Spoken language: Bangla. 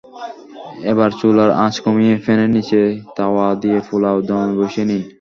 এবার চুলার আঁচ কমিয়ে প্যানের নিচে তাওয়া দিয়ে পোলাও দমে বসিয়ে নিন।